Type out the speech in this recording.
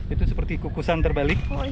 itu seperti kukusan terbalik